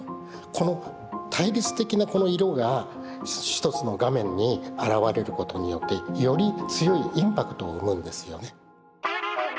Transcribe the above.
この対立的なこの色が一つの画面に現れることによってより強いインパクトを生むんですよね。